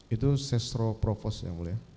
itu sesro profos yang mulia